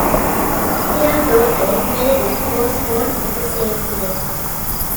Their daughter Meredith was born in the same year.